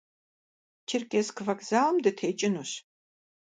Черкесск вокзалым дытекӏынущ.